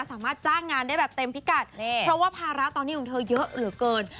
สามารถจ้างงานได้แบบเต็มพิกัดเพราะว่าภาระตอนนี้ของเธอเยอะเหลือเกิน